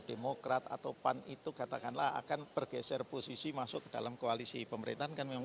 demokrat atau pan itu katakanlah akan bergeser posisi masuk ke dalam koalisi pemerintahan kan memang